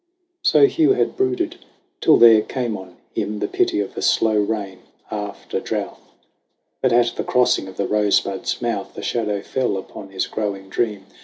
So Hugh had brooded, till there came on him The pity of a slow rain after drouth. But at the crossing of the Rosebud's mouth A shadow fell upon his growing dream.